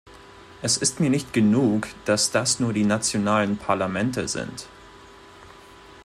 Es ist mir nicht genug, dass das nur die nationalen Parlamente sind.